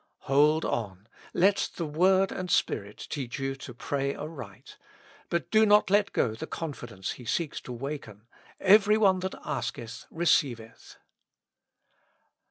Hold on ; let the Word and Spirit teach you to pray aright, but do not let go the confidence He seeks to waken : Every one that ask eth, receiveth.